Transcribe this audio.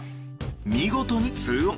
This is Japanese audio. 見事に２オン。